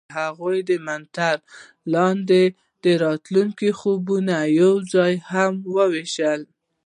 هغوی د منظر لاندې د راتلونکي خوبونه یوځای هم وویشل.